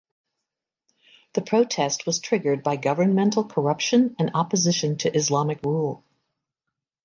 The protest was triggered by governmental corruption and opposition to Islamic rule.